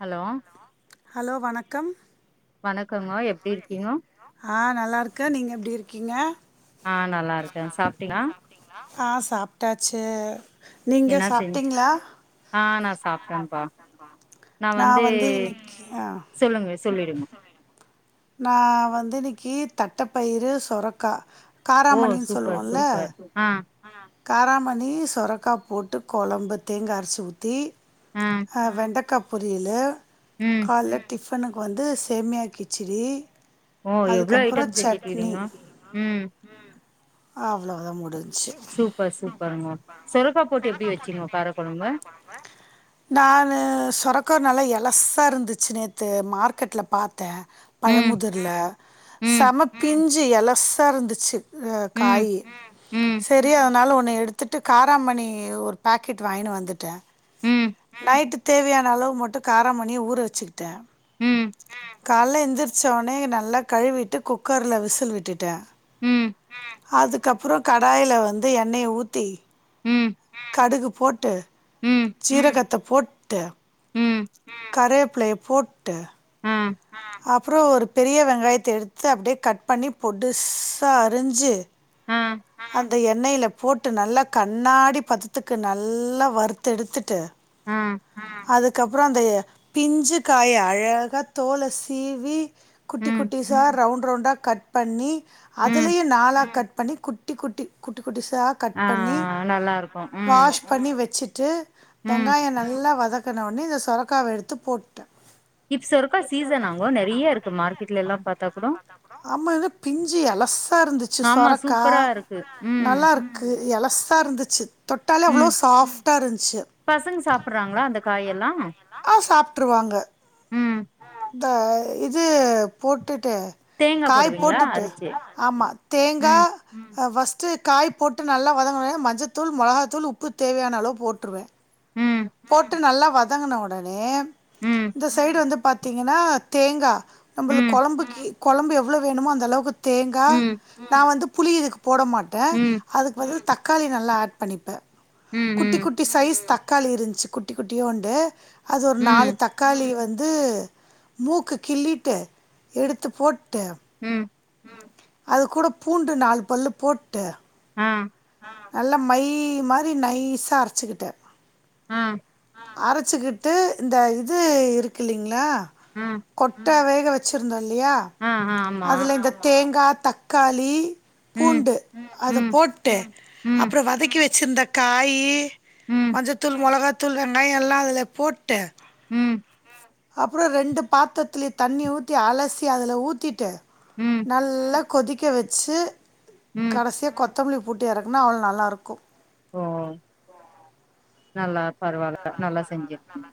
Hello hello வணக்கம் வணக்கங்கோ எப்டி இருக்கீங்கோ ஆ நல்லாருக்க நீங்க எப்டி இருக்கீங்கே ஆ நல்லா இருக்கே சாப்பிட்டியா ஆ சாப்ட்டாச்சு நீங்க என்ன செஞ் சாப்ட்டீங்ளா ஆ நா சாப்ட்டே பா நா வந்து சொல்லுங்க சொல்லிடுங்க நா வந்து இன்னைக்கி தட்டப்பயிரு சொரக்கா ஓ காராமணின்னு சூப்பர் சொல்லுவோல்ல சூப்பர் ஆ காராமணி சொரக்கா போட்டு கொழம்பு தேங்கா அரசி ஊத்தி ஆ வெண்டக்கா பொரியலு உம் கால டிஃபனுக்கு வந்து சேமியா கிச்சேடி ஓ எவ்ளோ அதுக்கப்புறோ ஐட்டம் சட்னி செஞ்சுட்டுக்கிறீங்க ம் அவ்ளோதா முடிஞ்சி சூப்பர் சூப்பர்மா சொரக்கா போட்டு எப்டி வச்சிங்கோ கார கொழம்ப தானு சொரக்க நல்லா எலசா இர்ந்துச்சு நேத்து மார்க்கெட்ல பாத்த ம் பழமுதுர்ல ம் சம பிஞ்சி எலசா இருந்துச்சு ம் காயி ம் செரி அதனால ஒன்னு எடுத்துட்டு காராமணி ஒரு பேக்கெட் வாங்கினு வந்துட்ட ம் பைட்டு தேவ்யான அளவு மட்டு காராமணிய ஊற வச்சிகிட்டா ம் காலைல எந்திரிச்ச ஒனே நல்லா கழுவிட்டு குக்கர்ல விசில் விட்டுட்டே ம் அதுக்கப்புற கடாயில வந்து எண்ணய ஊத்தி ம் கடுகு போட்டு ம் ஜீரகத்தை போட்டு ம் கரேப்ள்ளைய போட்டு அ அப்றோ ஒரு பெரிய வெங்காயத்த எடுத்து அப்டே கட் பண்ணி பொடுஸ்சா அரிஞ்சு ஆ அந்த எண்ணைய்ல போட் டு நல்லா கண்ணாடி பதத்துக்கு நல்லா வருத்து எடுத்துட்டு ஆ அதுக்கப்புற அந்தய பிஞ்சு காய அழகா தோல சீவி குட்டி ம் குட்டி ஸா ரவுண்ட் ரவுண்டா கட் பண்ணி ம் அதுலேயே நாலா கட் பண்ணி குட்டி குட்டி குட்டி குட்டிசா கட் ஆ பண்ணி நல்லா இருக்கு ம் வாஷ் பண்ணி வெச்சுட்டு ம் வெங்காய நல்லா வதங்கன ஒனே இந்த சொரக்காவ எடுத்து போட்ட கிப்ஸ் ஒருக்கா சீசனாங்கோ நெறைய இருக்கு மார்க்கெட்ல எல்லா பாத்தா கூடோ அம்மா இத பிஞ்சு எலசா இருந்துச்சி ஆமா சொரக்கா சூப்பரா இருக்கு ம் நல்லாருக் கு எலஸ்சா இருந்துச்சி தொட்டால அவ்ளோ ம் சாஃப்டா இருந்துச்சி பசங்க சாப்புட்றாங்களா அந்த காயெல்லா ஆ சாப்ட்ருவாங்க ம் த இது போட்டுட்டு தேங்கா காய் போடுவீங்களா போட்டுட்டு அரச்சு ஆமா தேங்கா ம் அ ஃபர்ஸ்ட்டு காய் போட்டு நல்லா வதங்குனோனே மஞ்சத்தூள் மொளகாத்தூள் உப்பு தேவ்யான அளவு போட்ருவே ம் போட்டு நல்லா வதங்குன ஒடனே ம் இந்த சைடு வந்து பாத்தீங்கனா தேங்கா நம்மளு ம் கொழம்புக்கி கொழம்பு எவ்ளோ வேணுமோ அந்த அளவுக்கு தேங்கா ம் நா வந்து புளி இதுக்கு போட மாட்ட ம் அதுக்கு பதல் தக்காளி நல்லா ஆட் பண்ணிப்பே ம் குட்டி ம் குட் டி சைஸ் தக்காளி இருந்துச்சு குட்டி குட்டியோண்டு அது ஒரு நாலு ம் தக் காளி வந்து மூக்கு கிள்ளிட்டு எடுத்து போட்டு ம் அது கூட பூண்டு நாலு பல்லு போட்டு அ நல்லா மை மாரி நைசா அரச்சிக்கிட்ட அ அரச்சிக்கிட்டு இந்த இது இருக்கு இல்லிங்ளா அ கொட்ட வேக வச்சுருந்தோ இல்லயா ஆ ஆமா அதுல இந்த தேங்கா தக்காளி ம் பூண்டு அத ம் போட்டு ம் அப்றோ வதக்கி வச்சிருந்த காயி ம் மஞ்சத்தூள் மொளகாத்தூள் வெங்காய எல்லா அதுலே போட்டு ம் அப்புறோ ரெண்டு பாத்தர்த்துலியு தண்ணி ஊத்தி அலசி அதல ஊத்திட்டு ம் நல்லா கொதிக்க வெச்சு ம் கடசியா கொத்தமல்லி போட்டு எறக்குனா அவ்ளோ நல்லாருக்கு ஓ நல்லா பரவால்ல நல்லா செஞ்சிருக்கிங்க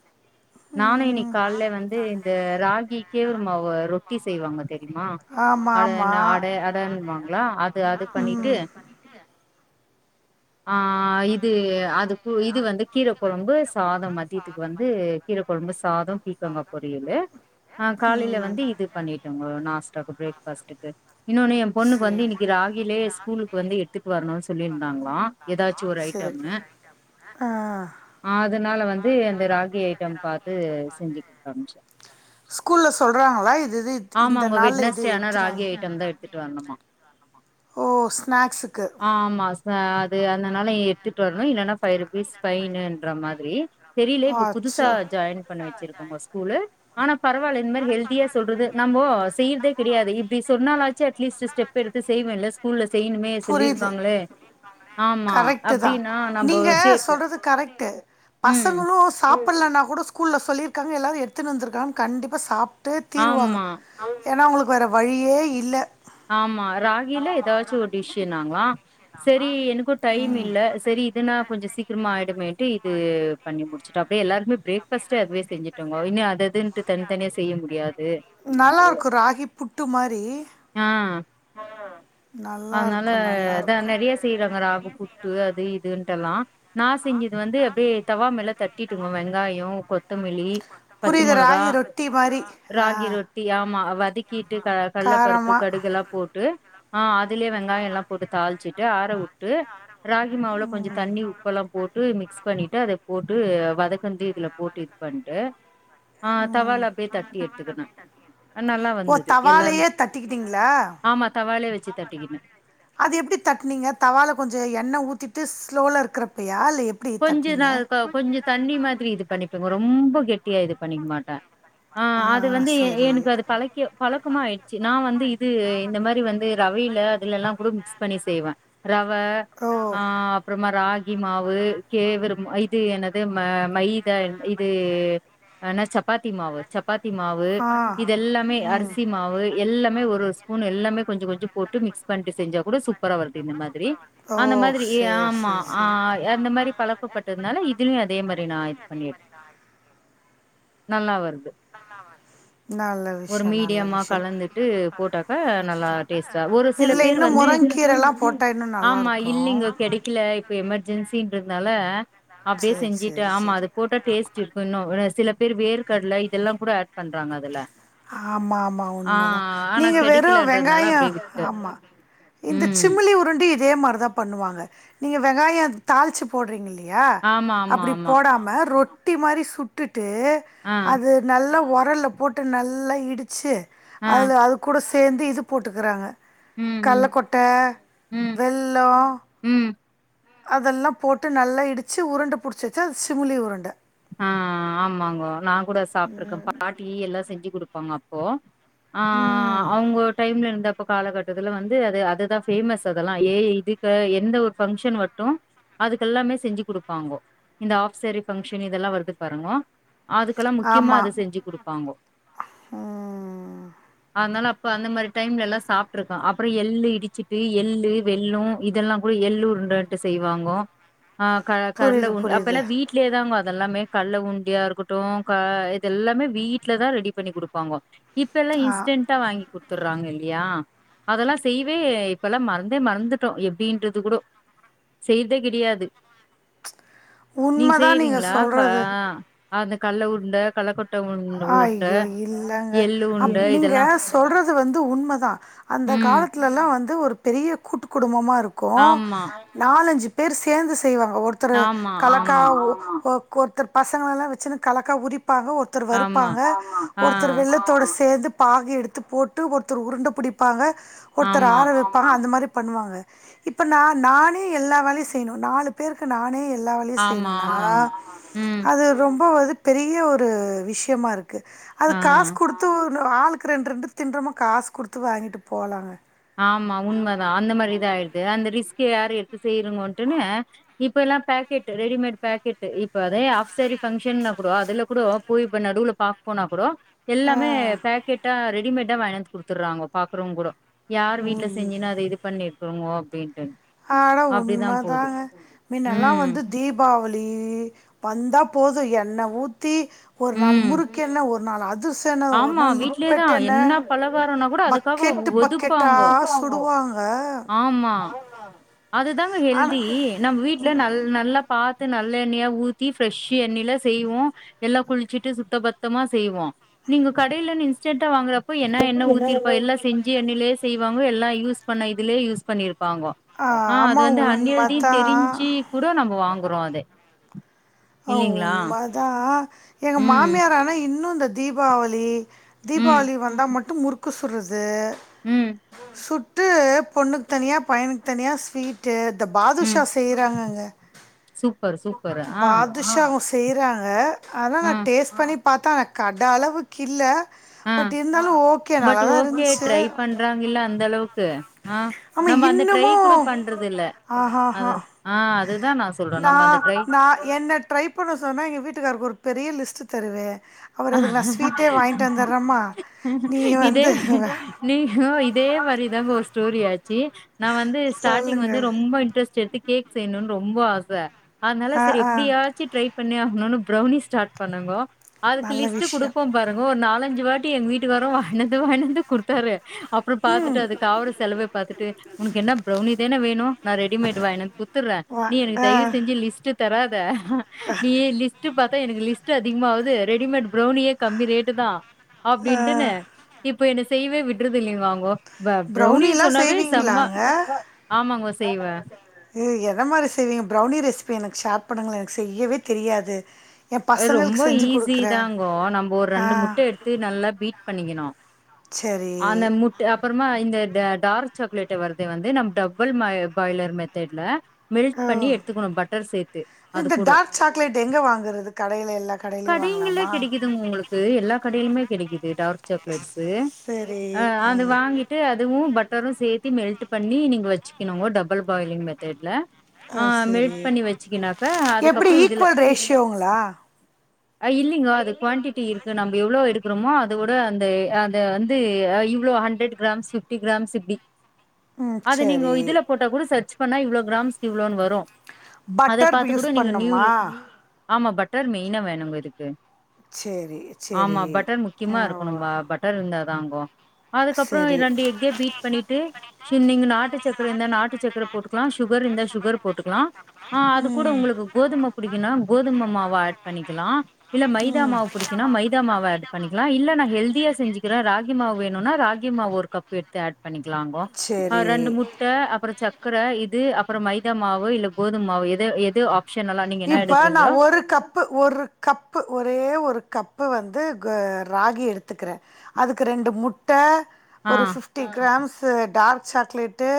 நானு இனிக் நல்லாயிருக்கும் கால்லே வந்து இந்த ராகி கேவுரு மாவு ரொட்டி செய்வாங்க தெரியுமா ஆமா அட ஆமா என் அட அடன்னுவாங்களா அது அது பண்ணிட்டு அந்த ஆ இது அதுக்கூ இது வந்து கீர கொழம்பு சாதம் மதியத்துக்கு வந்து கீர கொழம்பு சாதோ பீக்கங்கா பொரியலு ஆ ம் காலைல ம் வந்து இது பண்ணிட் டோங்கோ நாஸ்டாக்கு பிரேக்ஃபாஸ்ட்டுக்கு இன்னொன்னு எ பொண்ணுக் வந்து சேரி இன்னிக்கி ராகிலே ஸ்கூலுக்கு வந்து எத்துட்டு வரனுன் சொல்லிருந்தாங்களா எதாச்சு ஒரு சேரி ஐட்டமு ஆ அதனால வந்து அந்த ரா கி ஐட்டம் பாத்து செஞ்சி குத் அமிச்ச கூல்ல சொல்றாங்களா இது இது இந்த நாள்ல இது வெட்னஸ்டே ஆனா எத்துறாங்க ராகி ஐட்டம் தா எடுத்துட்டு வரணுமா ஓ ஸ்நாக்ஸ்க்கு ஆமா அது அந்த நாள்ல நீ எத்துட்டு வரனு இல்லன்னா ஃபை ருபீஸ் பைனுன்ற மாரி தெரிலே இப்ப புதுசா அச்சோ ஜாயின் பண்ண வச்சிருக்கோங்க ஸ்கூல்லு ஆனா பரவால்ல இந்த மாரி ஹெல்தியா சொல்றது நம்போ செய்றதே கெடையாது இப்டி சொன்னாலாச்சு அட்லீஸ்ட் ஸ்டெப் எடுத்து செய்வேல்ல ஸ்கூல்ல செய்ணுமே சொல்லிருக்காங்ளே கரெக்ட்டுதா நம்போ நீங்க சேப்போ சொல்றது கரெக்ட்டு ம் பசங்களு சாப்பலனா கூட ஸ்கூல்ல சொல்லிருக்காங்க எல்லாரு எத்துன்னு வந்துருக்காங் கண்டிப்பா சாப்ட்டே தீருவாங்க ஆமா ஏனா அவங்களுக்கு வேற வழியே இல்ல ஆமா ராகிலே எதாச்சு ஒரு டிஷ்ஷுன்னாங்ளா சரி எனக்கு டைம் இல்ல சரி இதனா கொஞ்சொ சீக்கிரமா ஆயிடுமேன்டு இது பண்ணி முடி ச்சுட்டு அப்டியே எல்லாருக்மே பிரேக்ஃபாஸ்ட் அதுவே செஞ்சுட்டங்கோ இன்னி அது அதுன்னுட்டு தனி தனியா செய்ய முடியாது நல்லாருக்கு ராகி புட்டு மாரி ஆ ஆ அதனால அத நெறைய செய்றாங்க ராகு புட்டு அது இதுன்ட்டெல்லா நா செஞ்சது வந்து அப்டியே தவா மேல தட்டிட்டுங்கோ வெங்காயோ கொத்தமல்லி பச்ச புரியுது மொளகா ராகி ரொட்டி மாரி ஆ ராகி ரொட்டி ஆமா வதக்கிட்டு க கல்லபருப்பு காரமா கடுகுல்லா போட் டு ஆ அதுலே வெங்காயோ எல்லா போட்டு தாளிச்சிட் டு ஆறவுட்டு ராகி மாவுல கொஞ்சோ தண்ணி உப்பெல்லா போட்டு மிக்ஸ் பண்ணிட்டு அத போட்டு வதக்குந்து இதுல போட்டு இது பண்ட்டு ஆ ம் தவால அப்டியே தட்டி எடுத்துக்குனே அ நல்லா வந்துது எல்லாரும் தட்டிக்கிட்டீங்ளா ஆமா தவாலயே வச்சு தட்டிக்கின அது எப்டி தட்னீங்க தவால கொஞ்சோ எண்ண ஊத்திட்டு ஸ்லோல இருக்குறப்பயா இல்ல எப் கொஞ்சொ நா க கொஞ்சொ தண்ணி மாதிரி இது பண்ணிப்பேங்க ரொம்ப கெட்டியா இது பண்ணிக்க மாட்ட ஆ அது வந்து எ எனக்கு அது பழக்கியோ பழக்கமா ஆயிடுச்சு நா வந்து இது இந்த மாரி வந்து ரவைல யிலல்லா கூட மிக்ஸ் பண்ணி செய்வே ரவ ஓ ஆ அப்றமா ராகி மாவு கேவரு இது என்னது ம மைத இது அ என்ன சப்பாத்தி மாவு சப்பாத்தி மாவு ஆ இதெல்லாமே ம் அரிசி மாவு எல்லாமே ஒரு ஓரு ஸ்பூன் எல்லாமே கொஞ்சோ கொஞ்சோ போட்டு மிக்ஸ் பண்ட்டு செஞ்சா கூட சூப்பரா வருது இந்த மாரி சேரி ஓ அந்த மாரி சேரி ஆமா சேரி சேரி அந்த மாரி பழக்கப்பட்டதுனால இதுலயு அதே மாரி நா இது பண்ணி எடு நல்லா வருது [inaudible] நல்லது ஒரு மீடியமா கலந்துட்டு போட்டாக்க நல்லா டேஸ்டா ஒரு சில இதுல பேர் இன்னு வந்து முருங்கீரல்லா போட்டா இன்னு ஆமா நல்லாருக்கு இல்லிங்க கேடைக்கில இப்ப எமர்ஜென்சின்றது அதனால அப்டியே சேரி செஞ்சுட்டு சேரி ஆமா சேரி அது போட்ட டேஸ்ட் இன்னு சில பேர் வேர்கக்கட்ல இதெல்லா கூட ஆட் பண்றாங்க அதுல ஆமா ஆமா ஆ உண்மதா ஆனா நீங்க வெறு கெடைக்கலன்றதுனால வெங்காயோ அப்டியே விட்டுட்ட ஆமா இந்த ம் சிமலி உருண்ட இதே மாரிதா பண்ணுவாங்க நீங்க வெங்காய தாளிச்சு போறீங்கில்லயா ஆமா ஆமா அப்டி ஆமா போடாம ரொட் ரொட்டி மாரி சுட்டுட்டு ஆ அது நல்லா உரல போட்டு நல்லா இடிச்சு ஆ அதுல அது கூட சேந்து இது போட்டுகிறாங்க ம் கல்ல ம் கொட் அட்ட ம் வெல்லோ ம் அதெல்லா போட்டு நல்லா இடிச்சு உருண்ட புடிச்சு வச்சா அது சிமிளி உருண்ட ஆ ஆமாங்க நா கூட சாப்பிட்டருக்கே பாட்டி எல்லா செஞ்சு கொடுப்பாங்க அப்போ ஆ ம். அவுங்க ஒரு டைம்ல இருந்த இப்ப காலகட்டத்துல வந்து அது அதுதா பேமஸ் அதெல்லா ஏ இதுக்கு எந்த ஒரு பங்க்ஷ மட்டு அதுக்கெல்லாமே செஞ்சு கொடுப்பாங்கோ இந்த ஆப்செரி பங்க்ஷ இதெல்லா வருது பாருங்கோ அதுக்கெல்லா முக்கியமா ஆமா. அத செஞ்சு கொடுப்பாங்கோ ம். [inaudible] அதனால அப்ப அந்த மாரி டைம்ல எல்லா சாப்ட்ருக்கோ அப்புறோ எள்ளு இடிச்சிட்டு எள்ளு வெள்ளோ இதெல்லா எள்ளுருண்டன்டு செய்வாங்க ஆ கடல புரியுது, உ ரு அப்ப எல்லா புரியுது. வீடலயேதாங்க இதெல்லாமே கல்ல உண்டியா இருக்கட்டு க இதெல்லாமே வீட்லதா ரெடி பண்ணி கொடுப்பாங்க இப்ப இப்பெல்லா ஆ இன்ஸ்டன்ண்டா வாங்கி குடுத்துற்றாங்க இல்லயா அதெல்லா செய்வே இப்பெல்லா மறந்தே மறந்துட்டோ எப்டின்றது கூட செய்றதே கிடையாது உண்மதா நீங்கள் சொல் ஆங்கா அந்த கல்ல உருண்ட கல்ல கொட்ட அய்யோ இல்லங்க எள்ளு அ உருண்ட நீங்க இதெல்லாம் சொல்றது வந்து உண்மதா அந்த ம் காலத்து யல்லா வந்து ஒரு பெரிய கூட்டு குடும்பமா இருக்கு ஆமா நாலஞ்சு பேர் சேந்து செய்வாங்க ஒருத்தரு ஆமா கலக்கா ஆமா ஒ ஒர்த்தர் பசங்கல்லா வச்சுரு கலக்கா உரிப்பா ஒகு ஒருத்தரு ஆமா வருப்பாக ஆ ஒருத்தர் வெல்லத்தோடு சேந்து தாகு எடுத்து போட்டு ஒருத்தர் உருண்ட புடிப்பாக ஒருத்தர் ஆமா ஆற வைப்பாக ஆ அந்த மாரி பண்ணுவாங்க இப்ப ந நானே எல்லா வேலயு செய்யணு நாலு பேருக்கு நானே எல்லா வே இது ஆமா செய்யுனுனா ஆமாங்க ம் அது ரொம்ப ஒரு பெரிய ஒரு விஷயமா இருக்கு அது ஆ காசு கொடுத்து இன்னு ஆளுக்கு ரெண் ரெண்டு தின்றமா காசு கொடுத்து வாங்கிட்டு போலாங்க ஆமா உண்ம தா அந்த மாரி இதா ஆயிடுச்சு அந்த ரிஸ் யாரு எடுத்து செய்யனுங்கட்டுன்னு இப்ப எல்லா பாக்கெட் ரெடிமேட் பாக்கெட் இப்ப அதே ஆப்சாரி பங்க்ஷன்ன கூட அதுல கூட போய் இப்ப நடுவுல பாக் போனா கூட ஆ எல்லாமே பேக்கெட்டா ரெடிமேட்டா வாங்கியாந்து குடுத்துறாங்க பாக்றவங்க கூட யார் வீட்டுல உண் செஞ்சுனா அத இது பண்ணிருக்குங்கோ அப்டின்ட்டு ஆட அப்டிதான் போது. உண்மதாங்க மின்னல்லா ம். வந்து தீபாவளி வந்தா போதும் என்னை ஊத்தி ஒரு நாள் ம். முறுக்கென்ன ஒ நாலா அதுஸ் என்ன ஒரு ஆமா நாள் வீட்லயே லிப்பெட் தான். என்ன பலகாரம்னா கூட அதுக்காக பக்கெட் பக்கெட்டா ஒதுப்பாங்கோ. சுடுவாங்க ஆமா அதுதாங்க ஆனா ஹெல்தி நம்ம வீட்டுல ந நல்லா பாத்து நல்ல எண்ணெயா ஊத்தி ஃப்ரெஷ் எண்ணெயில செய்வோ எல்லாம் குளிச்சுட்டு சுத்த பத்தமா செய்வோ நீங்க கடையில இன்ஸ்டன்ட வாங்குற இப்ப என்னா என்ன ஊத்திருப்பா எல்லா செஞ்சு எண்ணெயிலயே செய்வாங்க எல்லா யூஸ் பண்ண இதுலயே யூஸ் பண்ணிருப்பாங்கோ ஆ அது ஆமா வந்து உண்ம அன்ஹெல்டி தெரிஞ்சு தா கூட நம்ம வாங்றோ அத உண்ம தா எங்க ம் மாமியாரு ஆனா இன்னும் இந்த தீபாவளி ம் தீபாவளி வந்தா மட்டும் முறுக்கு சுட்ற்றது ம் சுட்டு பொண்ணுக்கு தனியா பையனுக்கு தனியா ஸ்வீட்டு இந்த ம் பாதுஷா செய்றாங்கங்க சூப்பர் சூப்பர் ஆ ஃப்ராஷ்வு செய்றாங்க ஆனா ஆ நா டேஸ்ட் பண்ணி பாத்தா கட அளவுக் இல்ல ஆ பட் இருந்தாலு ஓகே நல்லா தா இருந்ச்சு நல்லா இல்ல அந்த அளவுக்கு ஆ ஆமா நம்ம அந்த ட்ரை இன்னமு கூட பண்றது இல்ல ஆஹாஹா அது ஆ அதுதா நா சொல்றே நம்ம அந்த ட்ரை நா என்ன ட்ரை பண்ண சொன்னா எங்க வீட்டுக்காருக்கு ஒரு பெரிய லிஸ்ட்டு தருவே அவரு அதுக்கு நா ஸ்வீட்டே வாங்கிட்டு வந்துடுறேம்மா நீ இதே வந்து நீ இதே வரி ஒருஸ்டோரி ஆச்சு நா வந்து ஸ்டார்டிங் சொல்லுங்க வந்து ரொம்ப இன்ரெஸ்ட் எடுத்து கேக் செய்யணும்னு ரொம்ப ஆச அனால ஆ சரி ஆ எப்டியா படரை பண்ணி ஆகணும்னு பிரௌனி ஸ்டார்ட் பண்ணங்கோ அதுக்கு நல்ல லிஸ்ட் விஷயோ கொடுப்போ பாருங்க ஒரு நாலஞ்சு வாட்டி எங்க வீட்டுகாரு வாங்கினந்து வாங்கினந்து குடுத்தாரு அப்பற ம் பாத்துட்டு அது காவுர செலவ பாத்துட்டு உனக்கு என்ன ப்ரௌனி தானே வேணு நா ரெடிமேட் வாங்கினந்து குத்துறே வா நீ எனக்கு ஆ தய்வு செஞ்சு லிஸ்ட் தராத நீயே லிஸ்ட் பாத்தா எனக்கு லிஸ்ட் அதிகமாகுது ரெடிமேட் ப்ரௌனியே கம்மி ரேட்டு தா ஆ அப்டின்ட்டுன்னு இப்ப என்ன செய்வே விட்றது இல்லிங்கோ அவுங்கோ ப்ரௌனி ப்ரௌனிலா சொன்னாவே செம்மா செய்வீங்களாங்க ஆமாங்க செய்வ என்ன மாரி செய்விங்க ப்ரௌனி ரெசிபி எனக்கு ஷேர் பண்ணுங்களே எனக்கு செய்யவே தெரியாது எ பசங்களுக்கு ரொம்ப செஞ்சு ஈஸி குடுக்குறே தாங்கோ நம்ம ஒரு ஆ ரெண்டு முட்ட எடுத்து நல்லா பீட் பண்ணிக்கணு செரி அந்த முட் அப்புறமா இந்த டார்ச் சக்லேட்ட வருது வந்து நம்ம டபுள் பாய்லர் மெத்தட்ல மெல்ட் ஓ பண்ணி எடுத்துகணு பட்டர் சேத்து அது இந்த கூடோ டார்க் சாக்லேட் எங்க வாங்குறது கடையில எல்லா க கடைங்கல்லா கெடைக்குதுங்க உங்களுக்கு எல்லா கடையிலுமே கெடைக்குது டார் சாக்லெட்ஸ்ஸு சரி ஆ அது வாங்கி ட்டு அதுவு பட்டரு சேத்தி மெல்ட் பண்ணி நீங்க வச்சுக்கணுங்க டபுள் பாயலிங் மெத்தட்ல ஆ மெல்ட் பண்ணி வெச்சுக்கனாக்க அதுக்கப்றோ இதுல இவங்களா அ இல்லங்கோ அது குவாண்ட்டிட்டி இரு க்கு நம்ப எவ்ளோ எடுக்றமோ அதோட அந்த அந்த வந்து இவ்ளோ ஹண்ட்ரட் கிராம்ஸ் ஃபிப்டி கிராம்ஸ் இப்டி ம் அது நீங்க சரி இதுல போட்டா கூட சர்ச் பண்ண இவ்ளோ கிராம்ஸ் இவ்வளோனு வரும் அத பட்டர் பாத்து கூட யூஸ் நீங்க பண்ணுமா நியூலி ஆமா பட்டர் மெயினா வேணோங்க இதுக்கு சரி ஆமா சரி பட்டர் ஆ முக்கியமா இருக்கணோ ஓ மா பட் டர் இருந்தாதாங்கோ அதுக்கப்றோ சரி ரெண்டு எக்கே பீட் பண்ணிட்டு ச்ச நீங்க நாட்டு சக்கர இருந்தா நாட்டு சக்கர போட்டுக்லா சுகர் இருந்தா சுகர் போட்டுக்லா ஆ அது கூட உங்குளுக்கு கோதும புடிக்குனா கோதும மாவ ஆட் பண்ணிக்குலா இல்ல மைதா மாவு புடிக்குனா மைதா மாவ ஆட் பண்ணிக்குலா இல்ல இல்ல நா ஹெல்தியா செஞ்சுகுறே ராகி மாவு வேணோனா ராகி மாவு ஒரு கப் எடுத்து ஆட் பண்ணிக்கலாங்கோ சரி அ ரெண்டு முட்ட அப்றோ சக் கர இது அப்றோ மைதா மாவு இல்ல கோது மாவு எத எது ஆப்ஷன் எல்லா நீங்க என்னா இப்ப எடுக் நா ஒரு ஒரு கப்பு ஒரு கப்பு ஒரே ஒரு கப்பு வந்து கு ராகி எடுத்துக்குறே அதுக்கு ரெண்டு முட்ட ஆ ஒரு பிஃப்டி கிராம்ஸ் டார்க் சாக்லேட்டு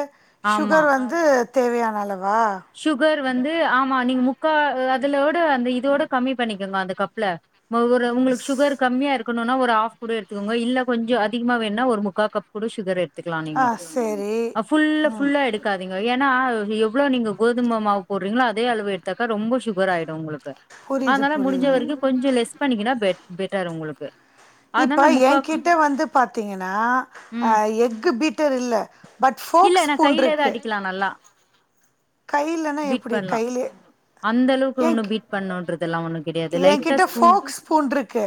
ஆமா சுகர் வந் து தேவயான அளவா சுகர் வந்து ஆமா நீங்க முக்கா அதுலோட அந்த இதோட கம்மி பண்ணிக்கோங்க அந்த கப்ல ஒவ்ரு உங்குளுக்கு சுகர் கம்மியா இருக்கணுனா ஒரு ஆஃப் கூட எடுத்துக்கோங்க இல்ல கொஞ்சோ அதிகமா வேணுனா ஒரு முக்கா கப் கூட சுகர் எடுத்துக்லா ஆ நீங்கோ சேரி ஆ ஃபுல் ம் ஃபுல்லா எடுக்காதீங் கோ ஏன்னா எவ்ளோ நீங்க கோதும மாவு போடுறீங்ளோ அதே அளவு எடுத்தாக்கா ரொம்ப சுகர் ஆயிடோ உங்குளுக்கு புரியுது அதனால முடிஞ்ச புரியுது வெரிக்கோ கொஞ்சோ லெஸ் பண்ணிக்னா பெட் பெட்டர் உங்குளுக்கு இப்ப ஏங்கிட்ட வந்து பாத்தீங்கன்னா அ ம் எக்கு பீட்டர் இல்ல பட் ஃபோக் இல்ல நா ஸ்பூன் கையிலதா இருக்கு அடிக்கலா நல்லா கைலனா பீட் எப்டி பண்லா கைலே அந்த அளவுக்கு ஒன்னோ பீட் பண்ணோன்றதெல்லா ஒண்ணோ கெடியாது லைட்டா என்கிட்ட ஸ்பூ ஃபோக் ஸ்பூண்ட்ருக்கு